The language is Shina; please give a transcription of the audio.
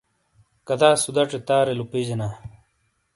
کَدا سُداچے تارے لُوپیجینا۔